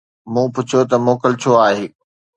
مون پڇيو ته موڪل ڇو آهي